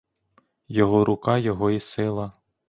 Його рука, його й сила.